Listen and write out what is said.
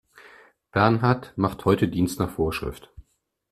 Bernhard macht heute Dienst nach Vorschrift.